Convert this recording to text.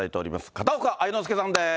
片岡愛之助さんです。